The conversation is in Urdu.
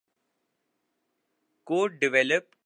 گواڈیلوپ